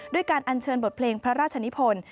การอัญเชิญบทเพลงพระราชนิพล